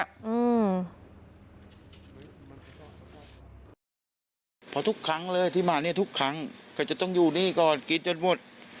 เพราะทุกครั้งเลยที่มาเนี่ยทุกครั้งก็จะต้องอยู่นี่ก่อนกินจนหมด